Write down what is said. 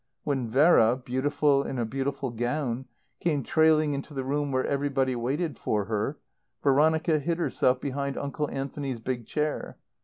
When Vera beautiful in a beautiful gown, came trailing into the room where everybody waited for her, Veronica hid herself behind Uncle Anthony's big chair.